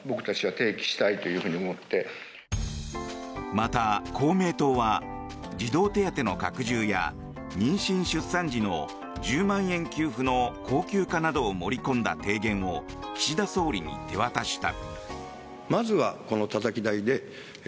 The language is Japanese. また、公明党は児童手当の拡充や妊娠・出産時の１０万円給付の恒久化などを盛り込んだ提言を岸田総理に手渡した。